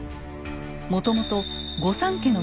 もともと御三家の一つ